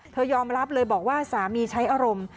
ยอมรับเลยบอกว่าสามีใช้อารมณ์